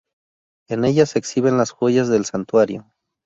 En ella se exhiben las joyas del Santuario.